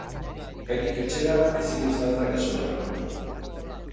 Kaitik etxera ezin izan da gizona galdu.